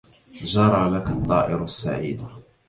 جرى لك الطائر السعيد